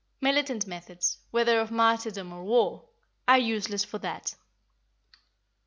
Militant methods, whether of martyrdom or war, are useless for that.